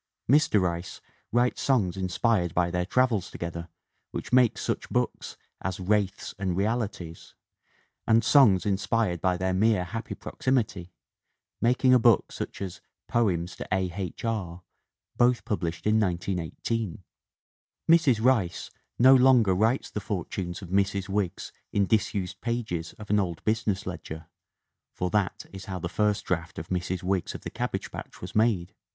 Mr. Rice writes songs inspired by their travels together which make such books as Wraiths and Realities and songs inspired by their mere happy proximity, making a book such as Poems to A. H. R., both published in 1918. Mrs. Rice no longer writes the fortunes of Mrs. Wiggs in disused pages of an old business ledger (for that is how the first draft of Mrs. Wiggs of the Cabbage Patch was made).